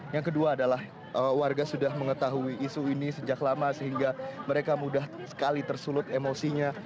yang kedua adalah warga sudah mengetahui isu ini sejak lama sehingga mereka mudah sekali tersulut emosinya